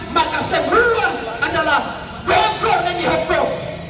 maka semua adalah gokor dan dihokok